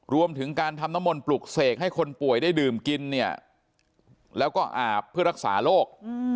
รวมถึงการทำน้ำมนต์ปลุกเสกให้คนป่วยได้ดื่มกินเนี่ยแล้วก็อาบเพื่อรักษาโรค